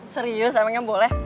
serius emangnya boleh